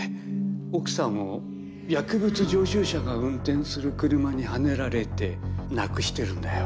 奥さんを薬物常習者が運転する車にはねられて亡くしてるんだよ。